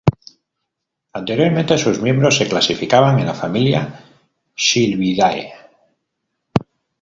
Anteriormente sus miembros se clasificaban en la familia "Sylviidae".